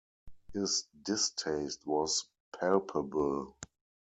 His distaste was palpable.